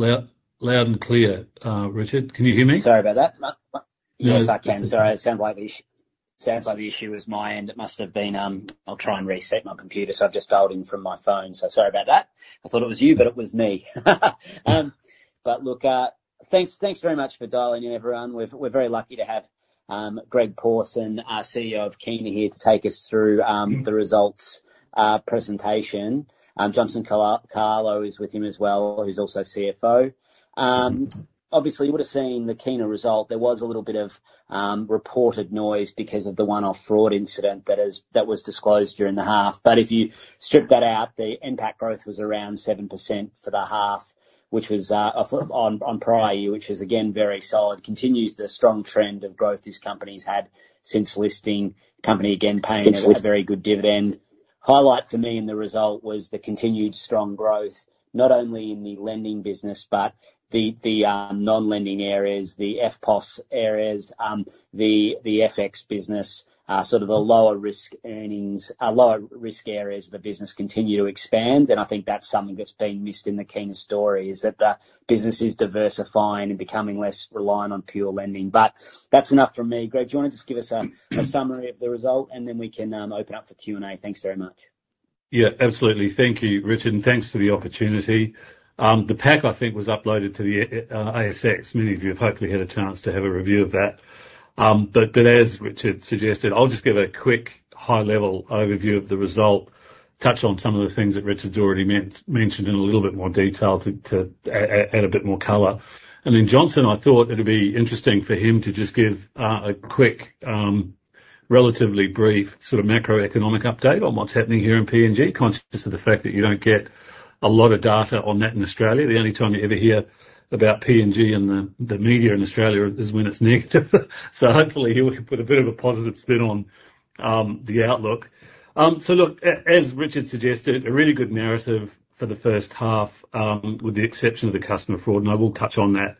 Loud, loud and clear, Richard, can you hear me? Sorry about that. Yes, I can. Sorry, it sounds like the issue is my end. It must have been. I'll try and reset my computer. So I've just dialed in from my phone, so sorry about that. I thought it was you, but it was me. But look, thanks very much for dialing in, everyone. We're very lucky to have Greg Pawson, our CEO of Kina, here to take us through the results presentation. Johnson Kalo is with him as well, who's also CFO. Obviously, you would have seen the Kina result. There was a little bit of reported noise because of the one-off fraud incident that was disclosed during the half. But if you strip that out, the NPAT growth was around 7% for the half, which was on prior year, which is again very solid. Continues the strong trend of growth this company's had since listing. Company, again, paying a very good dividend. Highlight for me in the result was the continued strong growth, not only in the lending business, but the non-lending areas, the EFTPOS areas, the FX business, sort of the lower risk earnings, lower risk areas of the business continue to expand. And I think that's something that's been missed in the Kina story, is that the business is diversifying and becoming less reliant on pure lending. But that's enough from me. Greg, do you want to just give us a summary of the result, and then we can open up for Q&A? Thanks very much. Yeah, absolutely. Thank you, Richard, and thanks for the opportunity. The pack, I think, was uploaded to the ASX. Many of you have hopefully had a chance to have a review of that. But as Richard suggested, I'll just give a quick, high-level overview of the result, touch on some of the things that Richard's already mentioned in a little bit more detail to add a bit more color. And then, Johnson, I thought it'd be interesting for him to just give a quick, relatively brief sort of macroeconomic update on what's happening here in PNG, conscious of the fact that you don't get a lot of data on that in Australia. The only time you ever hear about PNG in the media in Australia is when it's negative. So hopefully, he can put a bit of a positive spin on the outlook. So look, as Richard suggested, a really good narrative for the first half, with the exception of the customer fraud, and I will touch on that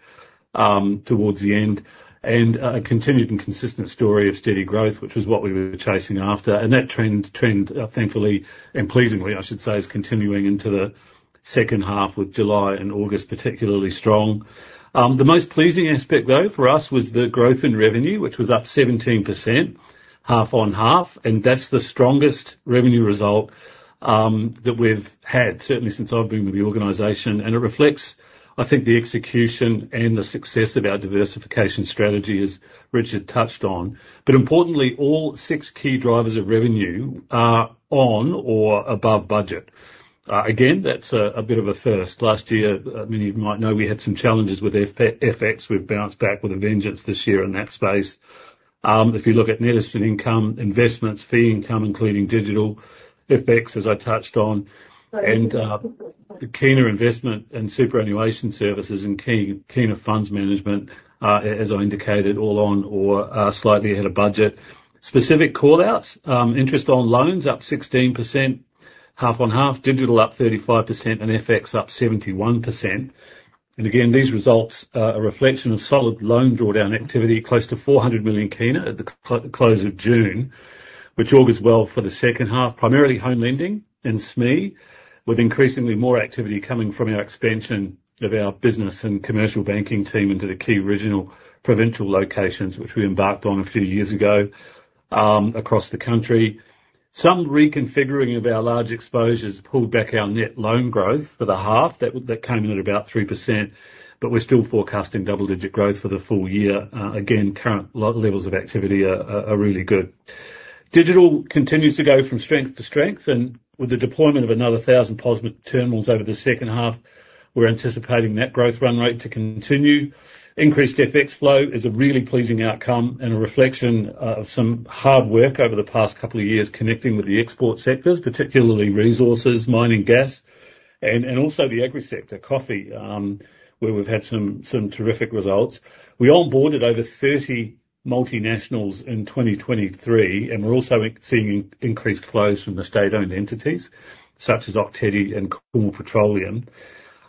towards the end. And a continued and consistent story of steady growth, which was what we were chasing after. And that trend, thankfully, and pleasingly, I should say, is continuing into the second half, with July and August particularly strong. The most pleasing aspect, though, for us, was the growth in revenue, which was up 17%, half-on-half, and that's the strongest revenue result that we've had, certainly since I've been with the organization. And it reflects, I think, the execution and the success of our diversification strategy, as Richard touched on. But importantly, all six key drivers of revenue are on or above budget. Again, that's a bit of a first. Last year, many of you might know, we had some challenges with FX. We've bounced back with a vengeance this year in that space. If you look at net interest and income, investments, fee income, including digital, FX, as I touched on, and the Kina Investment and Superannuation Services and Kina Funds Management, as I indicated, all on or slightly ahead of budget. Specific call-outs, interest on loans up 16%, half-on-half, digital up 35% and FX up 71%. And again, these results are a reflection of solid loan drawdown activity, close to PGK 400 million at the close of June, which augurs well for the second half, primarily home lending and SME, with increasingly more activity coming from our expansion of our business and commercial banking team into the key regional provincial locations, which we embarked on a few years ago, across the country. Some reconfiguring of our large exposures pulled back our net loan growth for the half. That came in at about 3%, but we're still forecasting double-digit growth for the full year. Again, current levels of activity are really good. Digital continues to go from strength to strength, and with the deployment of another 1,000 POS terminals over the second half, we're anticipating that growth run rate to continue. Increased FX flow is a really pleasing outcome and a reflection of some hard work over the past couple of years, connecting with the export sectors, particularly resources, mining, gas, and also the agri sector, coffee, where we've had some terrific results. We onboarded over thirty multinationals in 2023, and we're also seeing increased flows from the state-owned entities, such as Ok Tedi and Kumul Petroleum.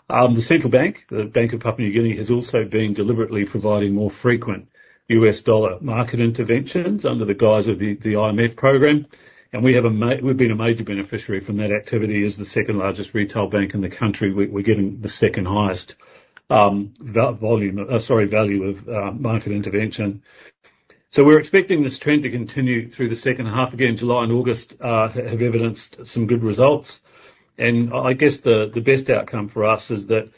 The central bank, the Bank of Papua New Guinea, has also been deliberately providing more frequent US dollar market interventions under the guise of the IMF program, and we've been a major beneficiary from that activity. As the second-largest retail bank in the country, we're getting the second highest value of market intervention. So we're expecting this trend to continue through the second half. Again, July and August have evidenced some good results. And I guess the best outcome for us is that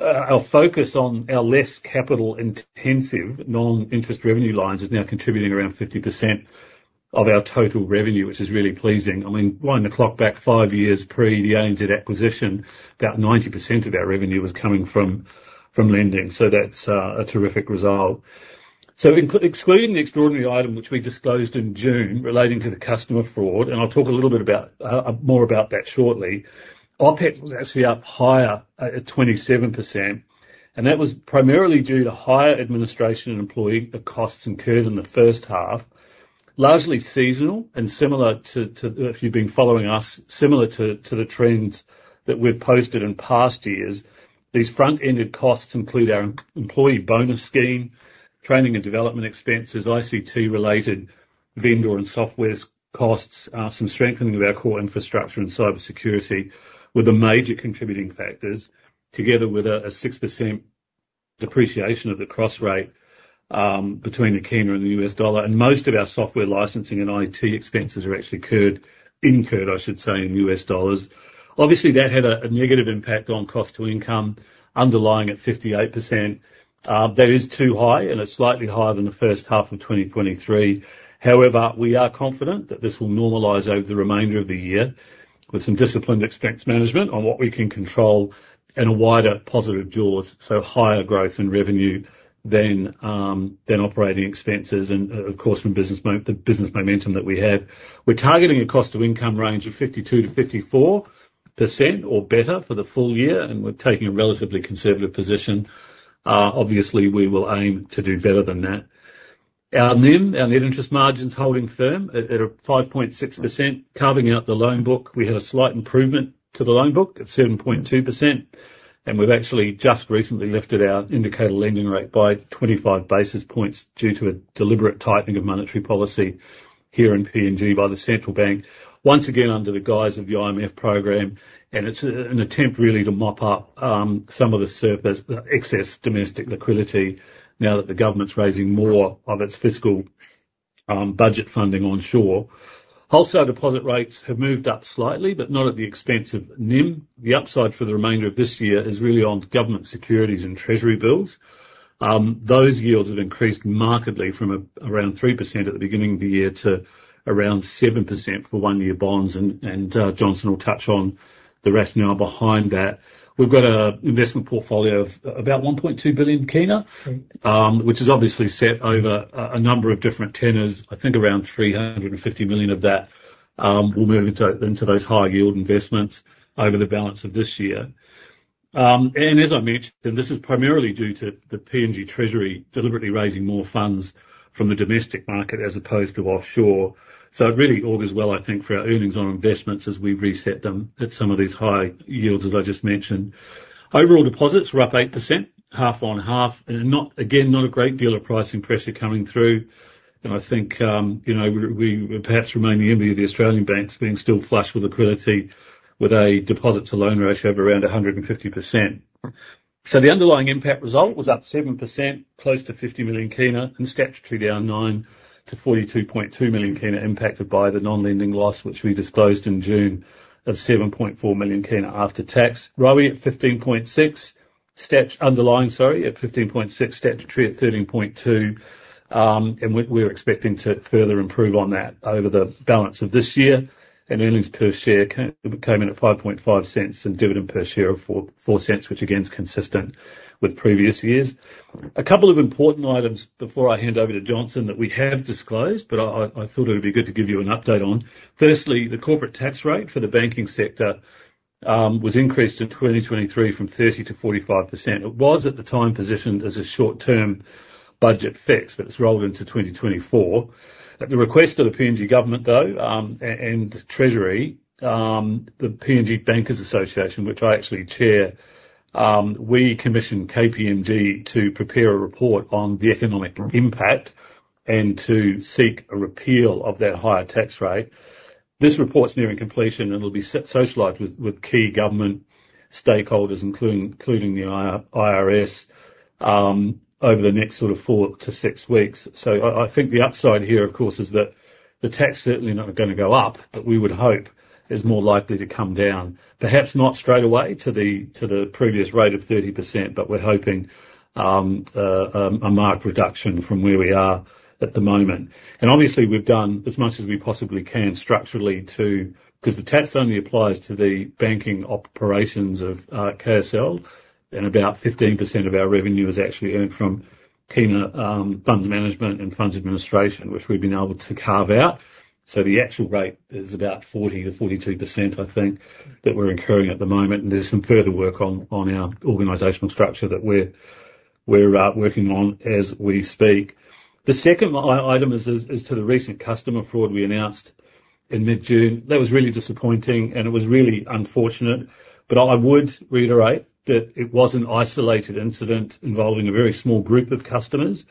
our focus on our less capital-intensive, non-interest revenue lines is now contributing around 50% of our total revenue, which is really pleasing. I mean, wind the clock back five years, pre the ANZ acquisition, about 90% of our revenue was coming from lending. So that's a terrific result. So excluding the extraordinary item, which we disclosed in June, relating to the customer fraud, and I'll talk a little bit about more about that shortly. OpEx was actually up higher, at 27%, and that was primarily due to higher administration and employee costs incurred in the first half, largely seasonal and similar to... If you've been following us, similar to the trends that we've posted in past years. These front-ended costs include our employee bonus scheme, training and development expenses, ICT-related vendor and software costs, some strengthening of our core infrastructure and cybersecurity, were the major contributing factors, together with a 6% depreciation of the cross rate between the Kina and the US dollar. And most of our software licensing and IT expenses are actually occurred, incurred, I should say, in US dollars. Obviously, that had a negative impact on cost to income, underlying at 58%. That is too high, and it's slightly higher than the first half of 2023. However, we are confident that this will normalize over the remainder of the year, with some disciplined expense management on what we can control, and a wider positive jaws, so higher growth in revenue than operating expenses, and, of course, from the business momentum that we have. We're targeting a cost to income range of 52%-54% or better for the full year, and we're taking a relatively conservative position. Obviously, we will aim to do better than that. Our NIM, our net interest margin's holding firm at 5.6%. Carving out the loan book, we had a slight improvement to the loan book at 7.2%, and we've actually just recently lifted our indicator lending rate by 25 basis points due to a deliberate tightening of monetary policy here in PNG by the central bank. Once again, under the guise of the IMF program, and it's a, an attempt really to mop up, some of the surplus, excess domestic liquidity now that the government's raising more of its fiscal, budget funding onshore. Wholesale deposit rates have moved up slightly, but not at the expense of NIM. The upside for the remainder of this year is really on government securities and Treasury bills. Those yields have increased markedly from around 3% at the beginning of the year to around 7% for one-year bonds, and, Johnson will touch on the rationale behind that. We've got a investment portfolio of about PGK 1.2 billion, which is obviously set over a number of different tenors. I think around 350 million of that will move into those high yield investments over the balance of this year. And as I mentioned, this is primarily due to the PNG Treasury deliberately raising more funds from the domestic market as opposed to offshore. So it really augurs well, I think, for our earnings on investments as we reset them at some of these high yields, as I just mentioned. Overall, deposits were up 8%, half-on-half, and, again, not a great deal of pricing pressure coming through. And I think, you know, we're perhaps remain the envy of the Australian banks, being still flush with liquidity, with a deposit to loan ratio of around 150%. So the underlying NPAT impact result was up 7%, close to PGK 50 million, and statutory down 9% to PGK 42.2 million, impacted by the non-lending loss, which we disclosed in June, of PGK 7.4 million after tax. ROE at 15.6%, underlying, sorry, at 15.6%, statutory at 13.2%, and we're expecting to further improve on that over the balance of this year. Earnings per share came in at PGK 0.055, and dividend per share of PGK 0.04, which again, is consistent with previous years. A couple of important items before I hand over to Johnson, that we have disclosed, but I thought it would be good to give you an update on. Firstly, the corporate tax rate for the banking sector was increased in 2023 from 30% to 45%. It was, at the time, positioned as a short-term budget fix, but it's rolled into 2024. At the request of the PNG government, though, and Treasury, the PNG Bankers Association, which I actually chair, we commissioned KPMG to prepare a report on the economic impact and to seek a repeal of that higher tax rate. This report's nearing completion, and it'll be socialized with key government stakeholders, including the IRC, over the next sort of four to six weeks. So I think the upside here, of course, is that the tax is certainly not gonna go up, but we would hope is more likely to come down. Perhaps not straight away to the previous rate of 30%, but we're hoping a marked reduction from where we are at the moment. And obviously, we've done as much as we possibly can structurally to 'cause the tax only applies to the banking operations of KSL, and about 15% of our revenue is actually earned from Kina Funds Management and fund administration, which we've been able to carve out. So the actual rate is about 40%-42%, I think, that we're incurring at the moment, and there's some further work on our organizational structure that we're working on as we speak. The second item is to the recent customer fraud we announced in mid-June. That was really disappointing, and it was really unfortunate, but I would reiterate that it was an isolated incident involving a very small group of customers.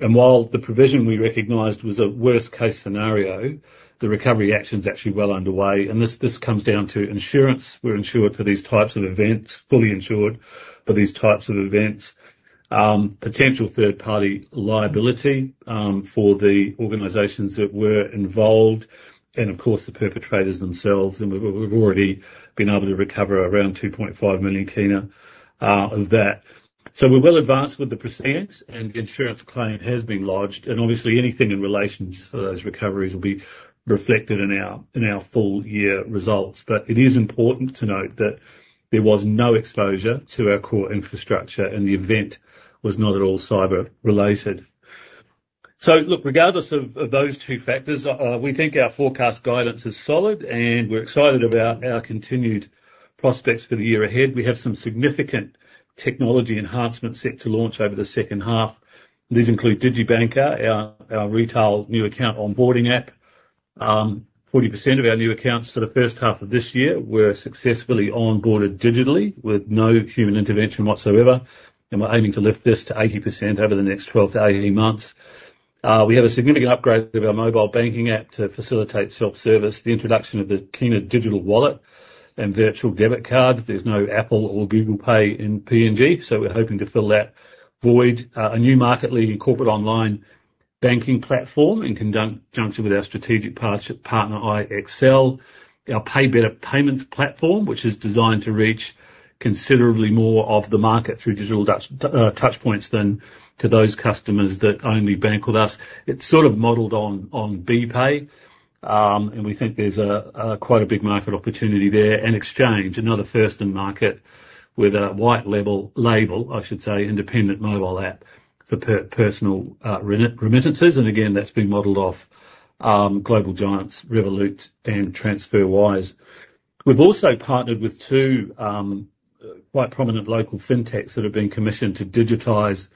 While the provision we recognized was a worst case scenario, the recovery action's actually well underway. And this comes down to insurance. We're insured for these types of events, fully insured for these types of events. Potential third party liability for the organizations that were involved, and of course, the perpetrators themselves, and we've already been able to recover around PGK 2.5 million of that. So we're well advanced with the proceedings, and the insurance claim has been lodged, and obviously anything in relations to those recoveries will be reflected in our full year results. But it is important to note that there was no exposure to our core infrastructure, and the event was not at all cyber-related. So look, regardless of those two factors, we think our forecast guidance is solid, and we're excited about our continued prospects for the year ahead. We have some significant technology enhancements set to launch over the second half. These include DigiBanker, our retail new account onboarding app. 40% of our new accounts for the first half of this year were successfully onboarded digitally, with no human intervention whatsoever. And we're aiming to lift this to 80% over the next 12 to 18 months. We have a significant upgrade of our mobile banking app to facilitate self-service, the introduction of the Kina Digital Wallet and virtual debit card. There's no Apple or Google Pay in PNG, so we're hoping to fill that void. A new market leading corporate online banking platform, in conjunction with our strategic partner IXL. Our Pei Beta payments platform, which is designed to reach considerably more of the market through digital touchpoints than to those customers that only bank with us. It's sort of modeled on BPAY, and we think there's quite a big market opportunity there. And XChange, another first-in-market with a white label, I should say, independent mobile app for personal remittances. And again, that's been modeled off global giants Revolut and TransferWise. We've also partnered with two quite prominent local fintechs that have been commissioned to digitize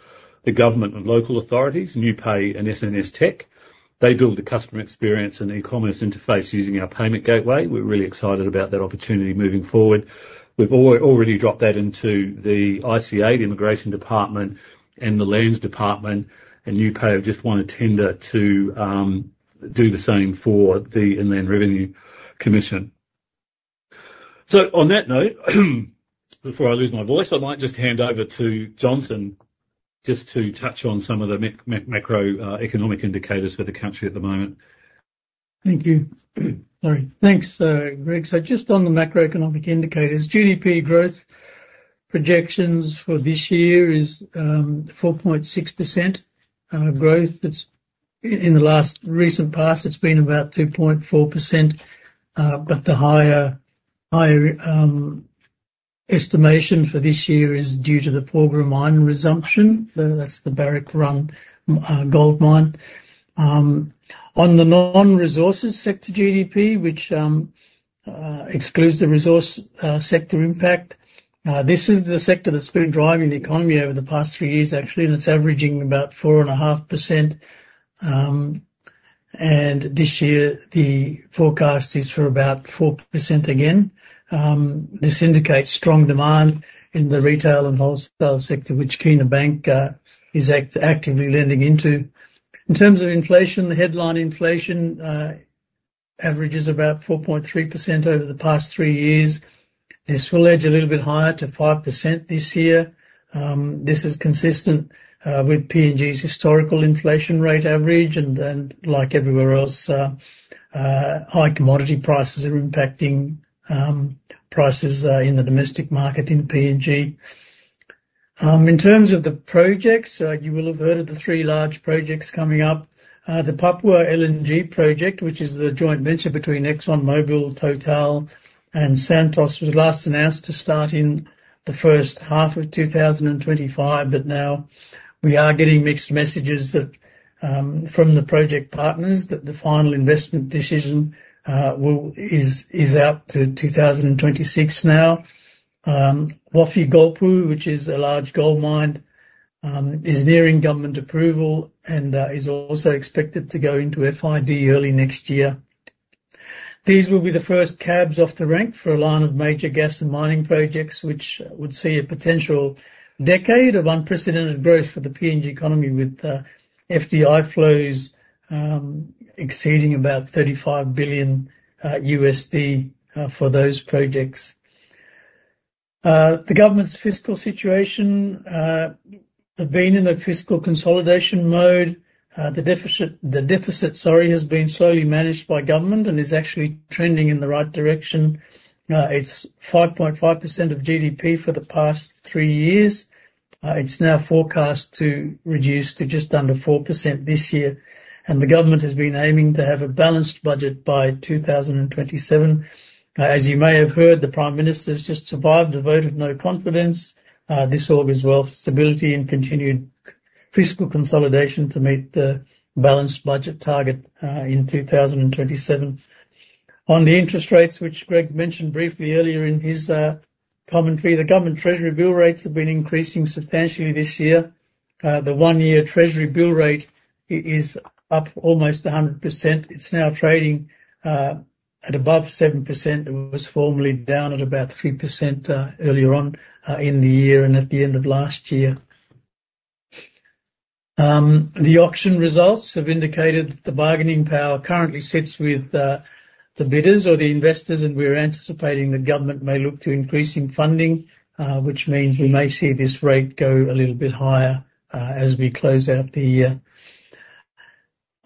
the government and local authorities, NiuPay and SNS Tech. They build the customer experience and e-commerce interface using our payment gateway. We're really excited about that opportunity moving forward. We've already dropped that into the ICA, the Immigration department, and the Lands Department, and NiuPay have just won a tender to do the same for the Inland Revenue Commission. So on that note, before I lose my voice, I might just hand over to Johnson, just to touch on some of the macroeconomic indicators for the country at the moment. Thank you. Sorry. Thanks, Greg. Just on the macroeconomic indicators, GDP growth projections for this year is 4.6% growth. That's in the last recent past; it's been about 2.4%, but the higher estimation for this year is due to the Porgera Mine resumption. That's the Barrick-run gold mine. On the non-resources sector GDP, which excludes the resource sector impact, this is the sector that's been driving the economy over the past three years, actually, and it's averaging about 4.5%. This year, the forecast is for about 4% again. This indicates strong demand in the retail and wholesale sector, which Kina Bank is actively lending into. In terms of inflation, the headline inflation average is about 4.3% over the past three years. This will edge a little bit higher to 5% this year. This is consistent with PNG's historical inflation rate average, and like everywhere else, high commodity prices are impacting prices in the domestic market in PNG. In terms of the projects, you will have heard of the three large projects coming up. The Papua LNG project, which is the joint venture between ExxonMobil, Total, and Santos, was last announced to start in the first half of 2025, but now we are getting mixed messages that from the project partners, that the final investment decision is out to 2026 now. Wafi-Golpu, which is a large gold mine, is nearing government approval and is also expected to go into FID early next year. These will be the first cabs off the rank for a line of major gas and mining projects, which would see a potential decade of unprecedented growth for the PNG economy, with FDI flows exceeding about $35 billion for those projects. The government's fiscal situation have been in a fiscal consolidation mode. The deficit, sorry, has been slowly managed by government and is actually trending in the right direction. It's 5.5% of GDP for the past three years. It's now forecast to reduce to just under 4% this year, and the government has been aiming to have a balanced budget by 2027. As you may have heard, the Prime Minister's just survived a vote of no confidence. This all is well for stability and continued fiscal consolidation to meet the balanced budget target in 2027. On the interest rates, which Greg mentioned briefly earlier in his commentary, the government treasury bill rates have been increasing substantially this year. The one-year treasury bill rate is up almost 100%. It's now trading at above 7%. It was formerly down at about 3% earlier on in the year, and at the end of last year. The auction results have indicated that the bargaining power currently sits with the bidders or the investors, and we're anticipating that government may look to increasing funding, which means we may see this rate go a little bit higher as we close out the year.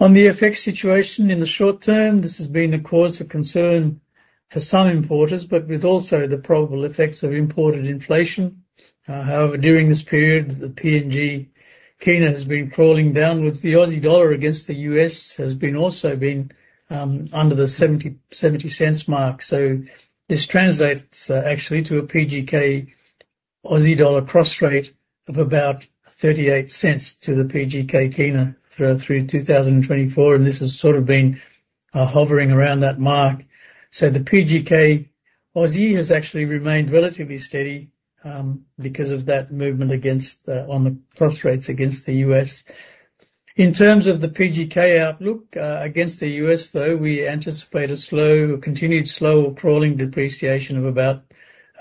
On the FX situation, in the short term, this has been a cause of concern for some importers, but with also the probable effects of imported inflation. However, during this period, the PNG kina has been crawling downwards. The Aussie dollar against the US has been also under the 70-cent mark. So this translates actually to a PGK-Aussie dollar cross rate of about 38 cents to the PGK Kina throughout 2024, and this has sort of been hovering around that mark. So the PGK-... Aussie has actually remained relatively steady, because of that movement against on the cross rates against the U.S. In terms of the PGK outlook, against the U.S, though, we anticipate a slow, continued slow or crawling depreciation of about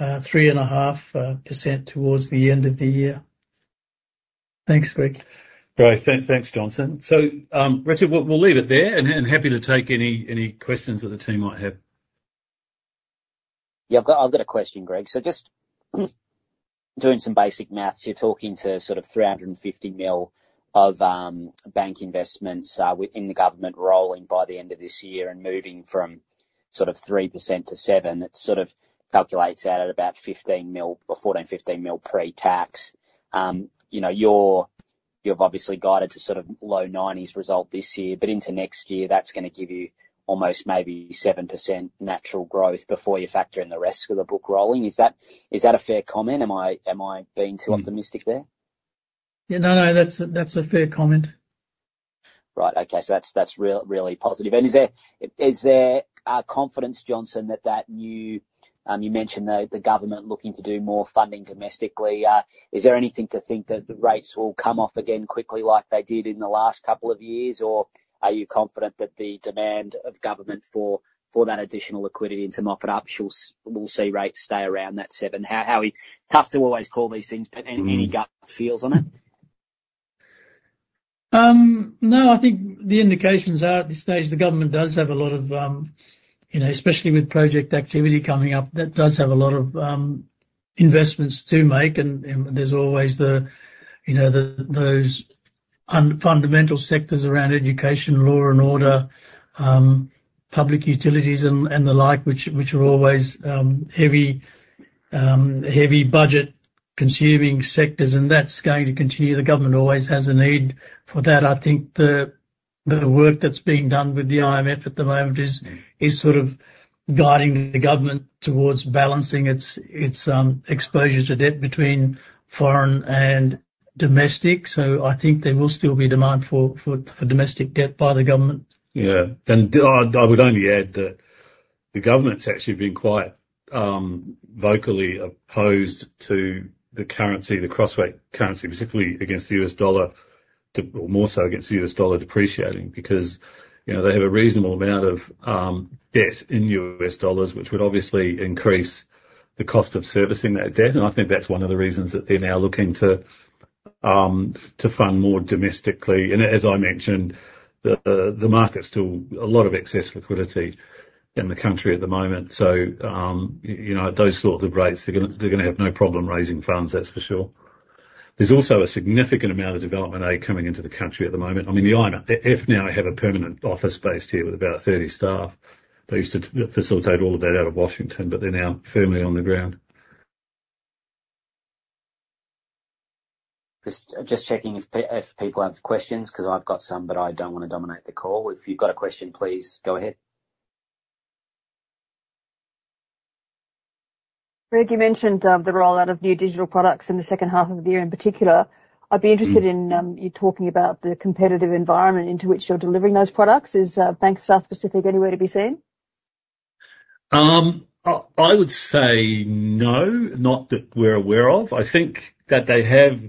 3.5% towards the end of the year. Thanks, Greg. Great. Thanks, Johnson. So, Richard, we'll leave it there, and happy to take any questions that the team might have. Yeah, I've got a question, Greg. So just doing some basic math, you're talking to sort of 350 mil of bank investments within the government rolling by the end of this year, and moving from sort of 3% to 7%. That sort of calculates out at about 15 mil, or 14-15 mil pre-tax. You know, you've obviously guided to sort of low nineties result this year, but into next year, that's gonna give you almost maybe 7% natural growth before you factor in the rest of the book rolling. Is that a fair comment? Am I being too optimistic there? Yeah, no, that's a fair comment. Right. Okay. So that's really positive. And is there confidence, Johnson, that new. You mentioned the government looking to do more funding domestically. Is there anything to think that the rates will come off again quickly, like they did in the last couple of years? Or are you confident that the demand of government for that additional liquidity to mop it up, we'll see rates stay around that seven? How are we. Tough to always call these things. Mm-hmm. But any gut feels on it? No, I think the indications are at this stage, the government does have a lot of, you know, especially with project activity coming up, that does have a lot of investments to make. And there's always the, you know, the, those fundamental sectors around education, law and order, public utilities and the like, which are always heavy budget-consuming sectors, and that's going to continue. The government always has a need for that. I think the work that's being done with the IMF at the moment is sort of guiding the government towards balancing its exposure to debt between foreign and domestic. So I think there will still be demand for domestic debt by the government. Yeah. I would only add that the government's actually been quite vocally opposed to the currency, the cross rate currency, particularly against the U.S. dollar, or more so against the U.S. dollar depreciating, because you know, they have a reasonable amount of debt in U.S. dollars, which would obviously increase the cost of servicing that debt, and I think that's one of the reasons that they're now looking to fund more domestically. As I mentioned, the market's still a lot of excess liquidity in the country at the moment. So you know, at those sorts of rates, they're gonna have no problem raising funds, that's for sure. There's also a significant amount of development aid coming into the country at the moment. I mean, the IMF now have a permanent office based here with about thirty staff. They used to facilitate all of that out of Washington, but they're now firmly on the ground. Just checking if people have questions, 'cause I've got some, but I don't want to dominate the call. If you've got a question, please go ahead. Greg, you mentioned the rollout of new digital products in the second half of the year in particular. Mm-hmm. I'd be interested in you talking about the competitive environment into which you're delivering those products. Is Bank South Pacific anywhere to be seen? I would say no, not that we're aware of. I think that they have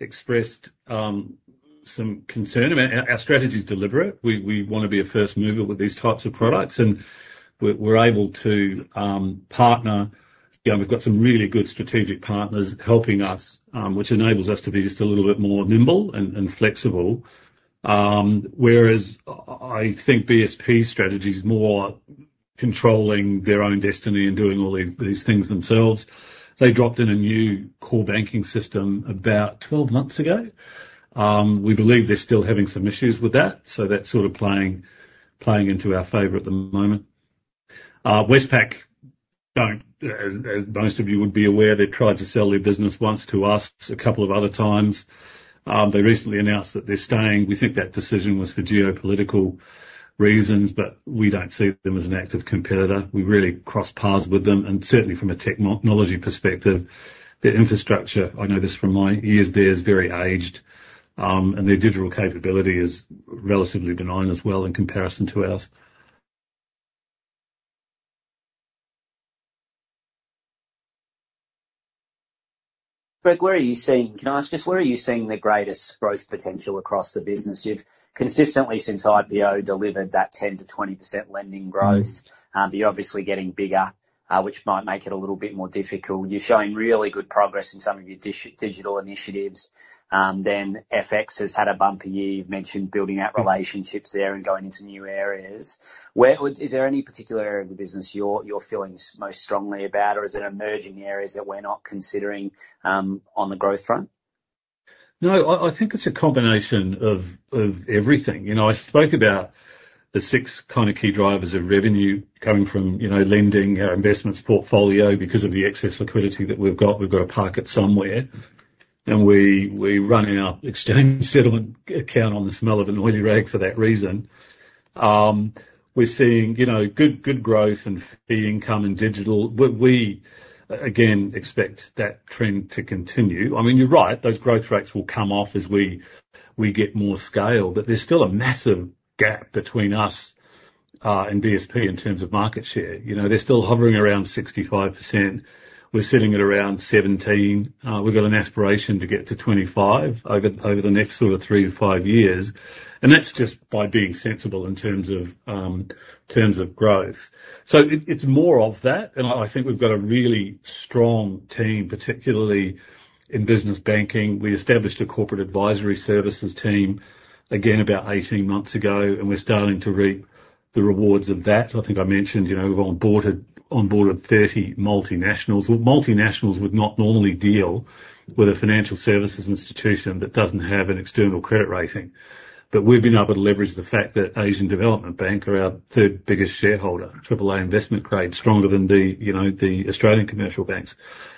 expressed some concern about... Our strategy is deliberate. We wanna be a first mover with these types of products, and we're able to partner... You know, we've got some really good strategic partners helping us, which enables us to be just a little bit more nimble and flexible. Whereas, I think BSP's strategy is more controlling their own destiny and doing all the these things themselves. They dropped in a new core banking system about twelve months ago. We believe they're still having some issues with that, so that's sort of playing into our favor at the moment. Westpac, don't... As most of you would be aware, they tried to sell their business once to us, a couple of other times. They recently announced that they're staying. We think that decision was for geopolitical reasons, but we don't see them as an active competitor. We rarely cross paths with them, and certainly from a technology perspective, their infrastructure, I know this from my years there, is very aged, and their digital capability is relatively benign as well, in comparison to ours. Greg, where are you seeing? Can I ask, just where are you seeing the greatest growth potential across the business? You've consistently, since IPO, delivered that 10%-20% lending growth. Mm. You're obviously getting bigger, which might make it a little bit more difficult. You're showing really good progress in some of your digital initiatives. Then FX has had a bumper year. You've mentioned building out relationships there and going into new areas. Is there any particular area of the business you're feeling most strongly about, or is there emerging areas that we're not considering on the growth front? No, I think it's a combination of everything. You know, I spoke about the six kind of key drivers of revenue coming from, you know, lending, our investments portfolio. Because of the excess liquidity that we've got, we've got to park it somewhere, and we're running our exchange settlement account on the smell of an oily rag for that reason. We're seeing, you know, good growth and fee income in digital. We again expect that trend to continue. I mean, you're right, those growth rates will come off as we get more scale, but there's still a massive gap between us and BSP in terms of market share. You know, they're still hovering around 65%. We're sitting at around 17%. We've got an aspiration to get to 25 over the next sort of 3 to 5 years, and that's just by being sensible in terms of growth. So it's more of that, and I think we've got a really strong team, particularly in business banking. We established a corporate advisory services team, again, about 18 months ago, and we're starting to reap the rewards of that. I think I mentioned, you know, we've onboarded 30 multinationals. Well, multinationals would not normally deal with a financial services institution that doesn't have an external credit rating. But we've been able to leverage the fact that Asian Development Bank are our third biggest shareholder, triple A investment grade, stronger than the, you know, the Australian commercial banks.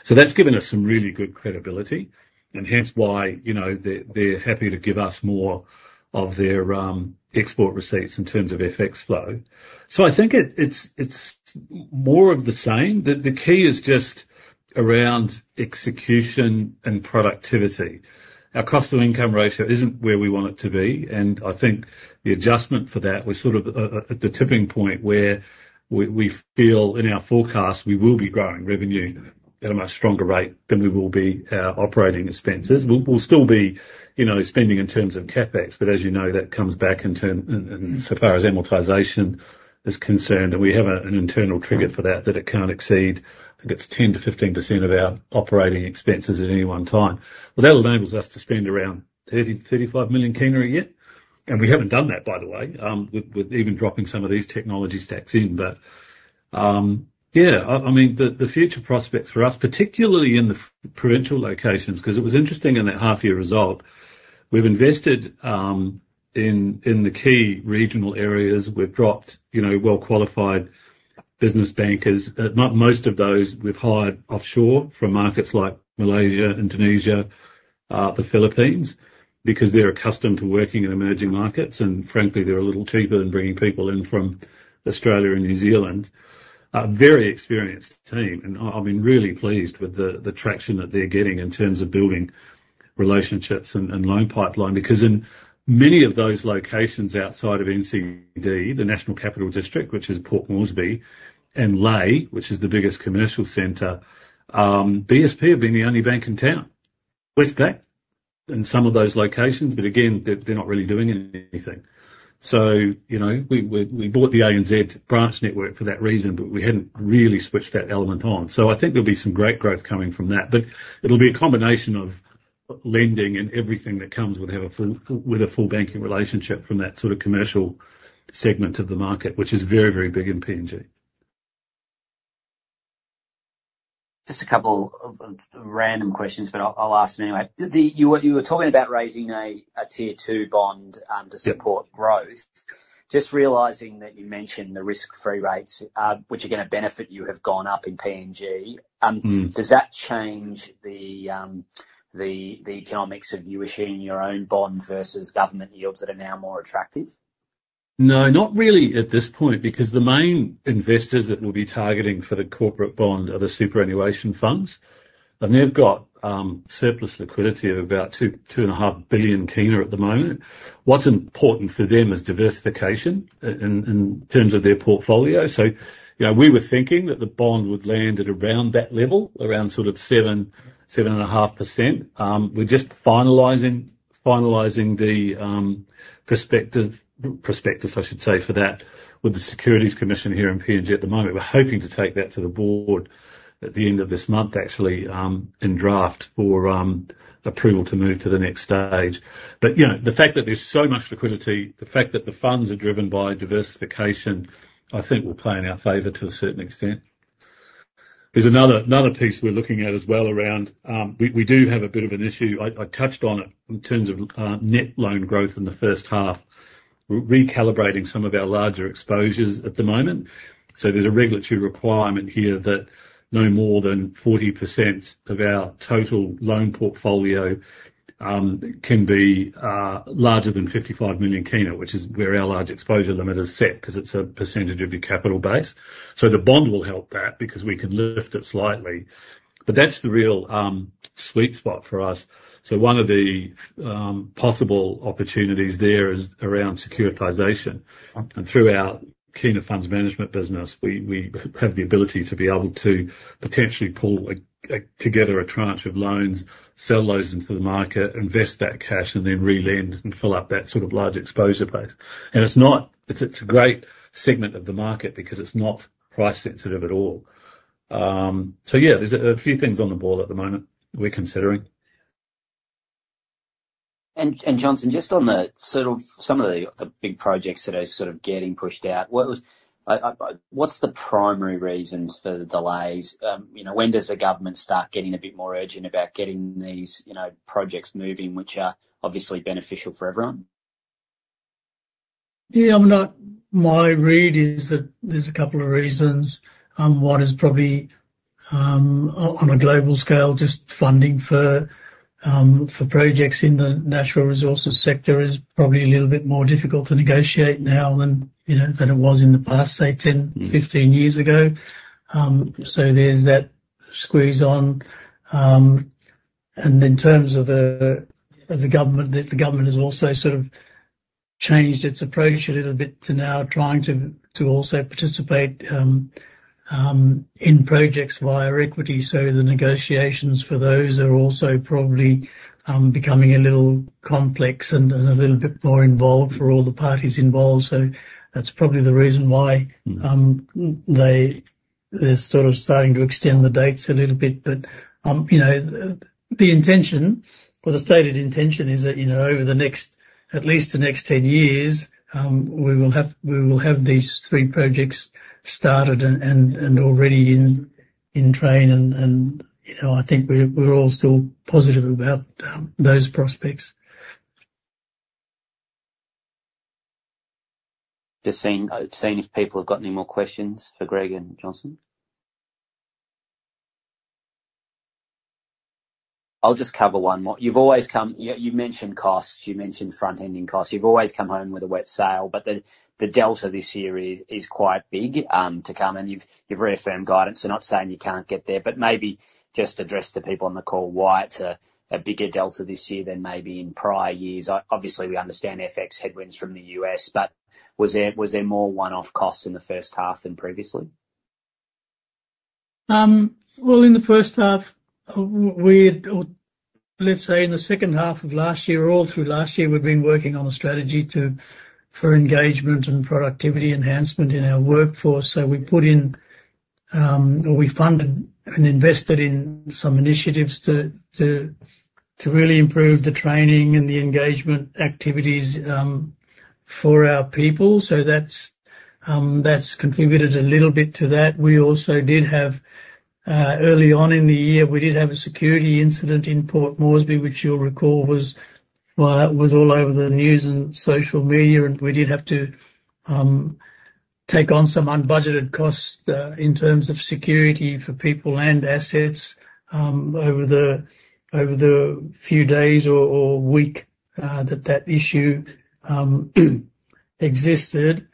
That's given us some really good credibility, and hence why, you know, they, they're happy to give us more of their export receipts in terms of FX flow. So I think it's more of the same. The key is just around execution and productivity. Our cost to income ratio isn't where we want it to be, and I think the adjustment for that, we're sort of at the tipping point, where we feel in our forecast, we will be growing revenue at a much stronger rate than we will be our operating expenses. We'll still be, you know, spending in terms of CapEx, but as you know, that comes back in terms, insofar as amortization is concerned, and we have an internal trigger for that, that it can't exceed, I think it's 10-15% of our operating expenses at any one time. That enables us to spend around PGK 30-35 million a year, and we haven't done that, by the way, with even dropping some of these technology stacks in. But yeah, I mean, the future prospects for us, particularly in the provincial locations—'cause it was interesting in that half year result, we've invested in the key regional areas. We've dropped, you know, well-qualified business bankers. Not most of those we've hired offshore from markets like Malaysia, Indonesia, the Philippines, because they're accustomed to working in emerging markets, and frankly, they're a little cheaper than bringing people in from Australia and New Zealand. A very experienced team, and I've been really pleased with the traction that they're getting in terms of building relationships and loan pipeline, because in many of those locations outside of NCD, the National Capital District, which is Port Moresby, and Lae, which is the biggest commercial center, BSP have been the only bank in town. Westpac in some of those locations, but again, they're not really doing anything. So, you know, we bought the ANZ branch network for that reason, but we hadn't really switched that element on. I think there'll be some great growth coming from that, but it'll be a combination of lending and everything that comes with having a full banking relationship from that sort of commercial segment of the market, which is very, very big in PNG. Just a couple of random questions, but I'll ask them anyway. You were talking about raising a Tier 2 bond to support growth. Yeah. Just realizing that you mentioned the risk-free rates, which are gonna benefit you, have gone up in PNG. Mm-hmm. Does that change the economics of you issuing your own bond versus government yields that are now more attractive? No, not really at this point, because the main investors that we'll be targeting for the corporate bond are the superannuation funds, and they've got surplus liquidity of about PGK 2-PGK 2.5 billion at the moment. What's important for them is diversification in terms of their portfolio. So, you know, we were thinking that the bond would land at around that level, around sort of 7%-7.5%. We're just finalizing the prospectus, I should say, for that, with the Securities Commission here in PNG at the moment. We're hoping to take that to the board at the end of this month, actually, in draft for approval to move to the next stage. But, you know, the fact that there's so much liquidity, the fact that the funds are driven by diversification, I think will play in our favor to a certain extent. There's another piece we're looking at as well around. We do have a bit of an issue, I touched on it, in terms of net loan growth in the first half. We're recalibrating some of our larger exposures at the moment. So there's a regulatory requirement here that no more than 40% of our total loan portfolio can be larger than PGK 55 million, which is where our large exposure limit is set, 'cause it's a percentage of your capital base. So the bond will help that because we can lift it slightly, but that's the real sweet spot for us. So one of the possible opportunities there is around securitization. Uh-huh. Through our Kina Funds Management business, we have the ability to be able to potentially pull together a tranche of loans, sell those into the market, invest that cash, and then re-lend and fill up that sort of large exposure base. It's a great segment of the market, because it's not price sensitive at all. Yeah, there's a few things on the board at the moment we're considering. Johnson, just on some of the big projects that are getting pushed out, what's the primary reasons for the delays? You know, when does the government start getting a bit more urgent about getting these projects moving, which are obviously beneficial for everyone? My read is that there's a couple of reasons. One is probably on a global scale, just funding for projects in the natural resources sector is probably a little bit more difficult to negotiate now than, you know, than it was in the past, say, 10, 15 years ago. So there's that squeeze on. And in terms of the government, the government has also sort of changed its approach a little bit to now trying to also participate in projects via equity. So the negotiations for those are also probably becoming a little complex and a little bit more involved for all the parties involved. So that's probably the reason why they're sort of starting to extend the dates a little bit. You know, the intention or the stated intention is that, you know, over the next, at least the next ten years, we will have these three projects started and already in train. You know, I think we're all still positive about those prospects. Just seeing if people have got any more questions for Greg and Johnson. I'll just cover one more. You've always come... you've mentioned costs, you mentioned front-ending costs. You've always come home with a wet sail, but the delta this year is quite big to come, and you've reaffirmed guidance. So not saying you can't get there, but maybe just address the people on the call why it's a bigger delta this year than maybe in prior years. Obviously, we understand FX headwinds from the U.S., but was there more one-off costs in the first half than previously? Well, in the first half, we... Or let's say in the second half of last year, all through last year, we've been working on a strategy to for engagement and productivity enhancement in our workforce. So we put in, or we funded and invested in some initiatives to really improve the training and the engagement activities for our people. So that's contributed a little bit to that. We also did have early on in the year, we did have a security incident in Port Moresby, which you'll recall was, well, that was all over the news and social media, and we did have to take on some unbudgeted costs in terms of security for people and assets over the few days or week that issue existed.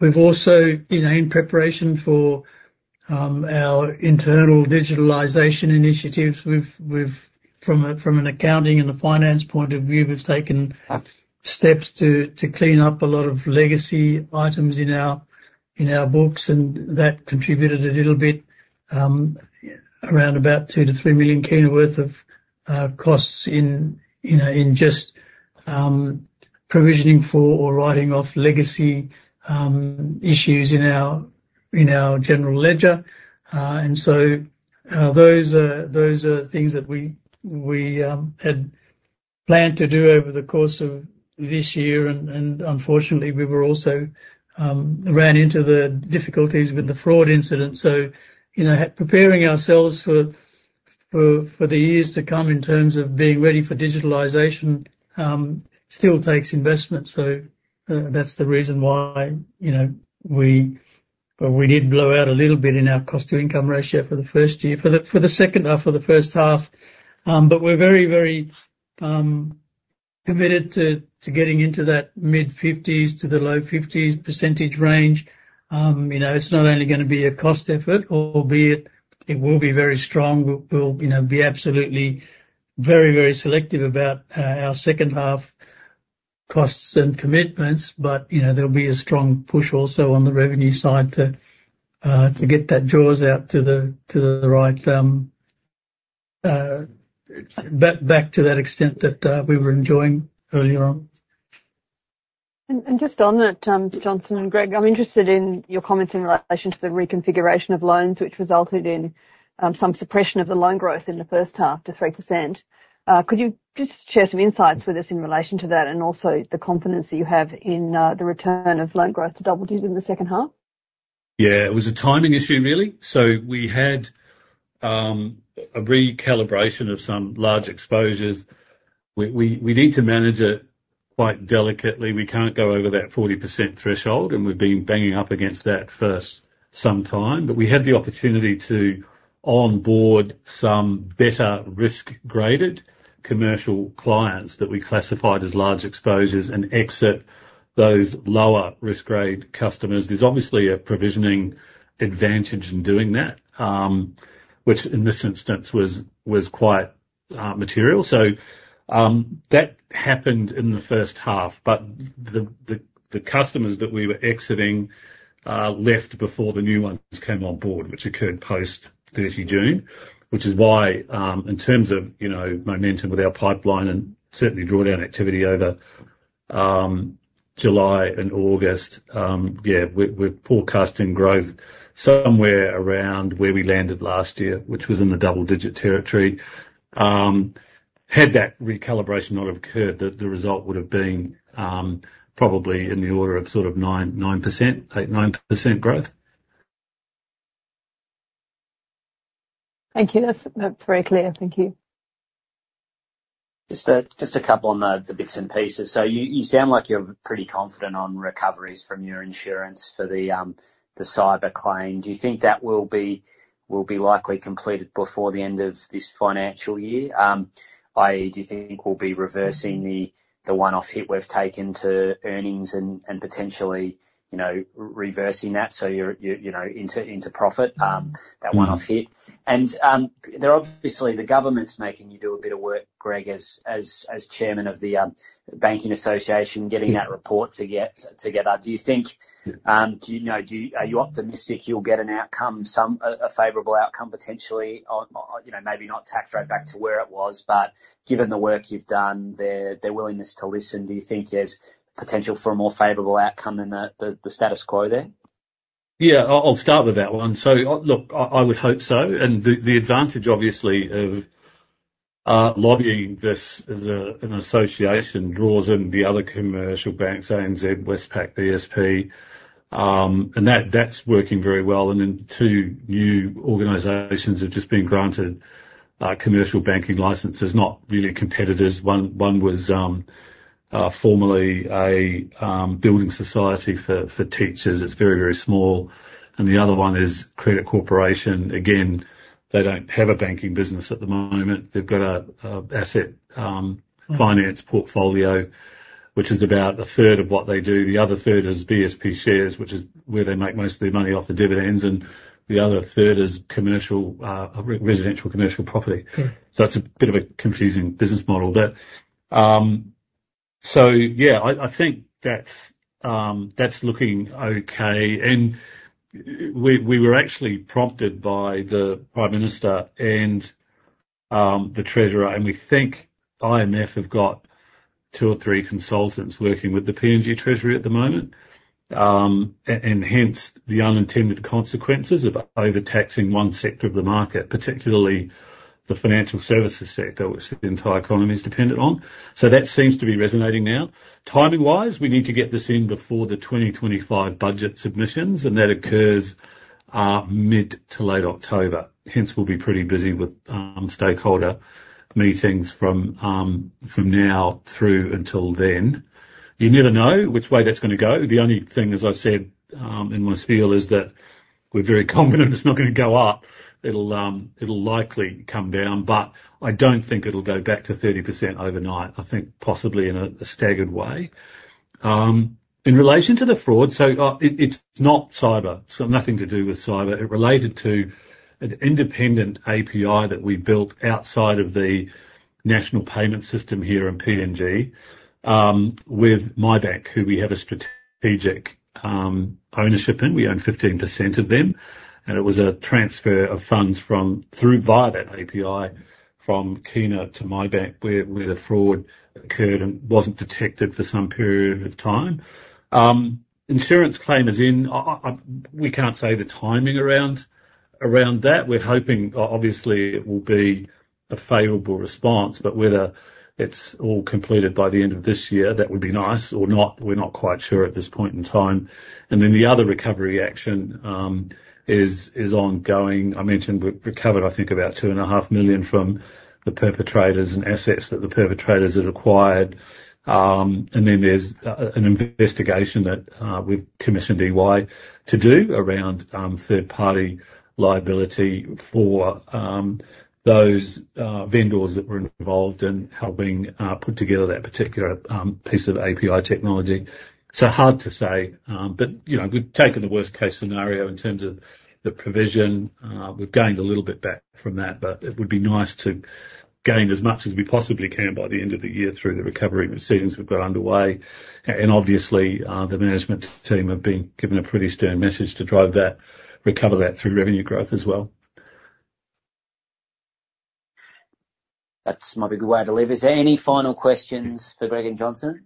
We've also, you know, in preparation for our internal digitalization initiatives, we've from an accounting and a finance point of view, we've taken steps to clean up a lot of legacy items in our books, and that contributed a little bit around about 2-3 million PGK worth of costs in just provisioning for or writing off legacy issues in our general ledger. And so those are things that we had planned to do over the course of this year, and unfortunately, we also ran into the difficulties with the fraud incident. So, you know, preparing ourselves for the years to come in terms of being ready for digitalization still takes investment. That's the reason why, you know, we, well, we did blow out a little bit in our cost-to-income ratio for the first year, for the second half, or the first half. But we're very, very committed to getting into that mid-fifties to the low fifties percentage range. You know, it's not only gonna be a cost effort, albeit it will be very strong. We'll, you know, be absolutely very, very selective about our second half costs and commitments, but, you know, there'll be a strong push also on the revenue side to get that jaws out to the right, back to that extent that we were enjoying earlier on. Just on that, Johnson and Greg, I'm interested in your comments in relation to the reconfiguration of loans, which resulted in some suppression of the loan growth in the first half to 3%. Could you just share some insights with us in relation to that, and also the confidence that you have in the return of loan growth to double digits in the second half? Yeah, it was a timing issue, really. So we had a recalibration of some large exposures. We need to manage it quite delicately. We can't go over that 40% threshold, and we've been banging up against that for some time. But we had the opportunity to onboard some better risk-graded commercial clients that we classified as large exposures and exit those lower risk-grade customers. There's obviously a provisioning advantage in doing that, which in this instance was quite material. So that happened in the first half. But the customers that we were exiting left before the new ones came on board, which occurred post 30 June. Which is why, in terms of, you know, momentum with our pipeline and certainly drawdown activity over July and August, yeah, we're forecasting growth somewhere around where we landed last year, which was in the double digit territory. Had that recalibration not occurred, the result would have been probably in the order of sort of 9%, 8-9% growth. Thank you. That's, that's very clear. Thank you. Just a couple on the bits and pieces. So you sound like you're pretty confident on recoveries from your insurance for the cyber claim. Do you think that will be likely completed before the end of this financial year? I.e., do you think we'll be reversing the one-off hit we've taken to earnings and potentially, you know, reversing that, so you're into profit, that one-off hit? And there obviously the government's making you do a bit of work, Greg, as chairman of the Bankers Association, getting that report together. Are you optimistic you'll get an outcome, a favorable outcome, potentially? Or, you know, maybe not tack straight back to where it was, but given the work you've done, their willingness to listen, do you think there's potential for a more favorable outcome than the status quo there? Yeah, I'll start with that one. So, look, I would hope so. And the advantage, obviously, of lobbying this as an association, draws in the other commercial banks, ANZ, Westpac, BSP, and that's working very well. And then two new organizations have just been granted commercial banking licenses, not really competitors. One was formerly a building society for teachers. It's very, very small, and the other one is Credit Corporation. Again, they don't have a banking business at the moment. They've got an asset finance portfolio, which is about a third of what they do. The other third is BSP Shares, which is where they make most of their money off the dividends, and the other third is commercial, residential, commercial property. Mm. So that's a bit of a confusing business model. But so yeah, I think that's looking okay. And we were actually prompted by the Prime Minister and the Treasurer, and we think IMF have got two or three consultants working with the PNG Treasury at the moment. And hence, the unintended consequences of overtaxing one sector of the market, particularly the financial services sector, which the entire economy is dependent on. So that seems to be resonating now. Timing-wise, we need to get this in before the 2025 budget submissions, and that occurs mid to late October. Hence, we'll be pretty busy with stakeholder meetings from now through until then. You never know which way that's gonna go. The only thing, as I've said, in my spiel, is that we're very confident it's not gonna go up. It'll likely come down, but I don't think it'll go back to 30% overnight. I think possibly in a staggered way. In relation to the fraud, so, it's not cyber, so nothing to do with cyber. It related to an independent API that we built outside of the national payment system here in PNG, with MiBank, who we have a strategic ownership in. We own 15% of them, and it was a transfer of funds through via that API, from Kina to MiBank, where the fraud occurred and wasn't detected for some period of time. Insurance claim is in... we can't say the timing around that. We're hoping, obviously, it will be a favorable response, but whether it's all completed by the end of this year, that would be nice, or not, we're not quite sure at this point in time. And then the other recovery action is ongoing. I mentioned we've recovered, I think, about PGK 2.5 million from the perpetrators and assets that the perpetrators had acquired. And then there's an investigation that we've commissioned EY to do around third party liability for those vendors that were involved in helping put together that particular piece of API technology. So hard to say, but, you know, we've taken the worst case scenario in terms of the provision. We've gained a little bit back from that, but it would be nice to gain as much as we possibly can by the end of the year through the recovery proceedings we've got underway. And obviously, the management team have been given a pretty stern message to drive that, recover that through revenue growth as well. That might be a good way to leave it. Is there any final questions for Greg and Johnson?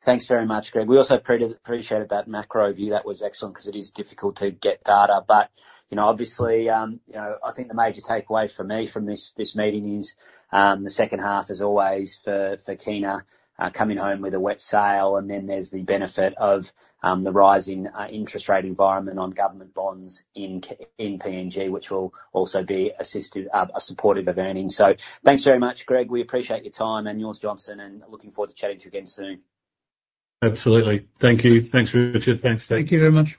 Thanks very much, Greg. We also appreciate that macro view. That was excellent, 'cause it is difficult to get data. But, you know, obviously, you know, I think the major takeaway for me from this meeting is the second half is always for Kina, coming home with a wet sail. And then there's the benefit of the rising interest rate environment on government bonds in PNG, which will also be supportive of earnings. So, thanks very much, Greg. We appreciate your time, and yours, Johnson, and looking forward to chatting to you again soon. Absolutely. Thank you. Thanks, Richard, thanks, Dave. Thank you very much.